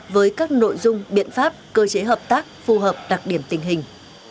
với các nội dung biện pháp cơ chế hợp tác phù hợp đặc điểm tình hình